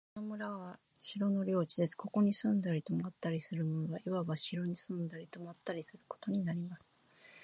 この村は城の領地です。ここに住んだり泊ったりする者は、いわば城に住んだり泊ったりすることになります。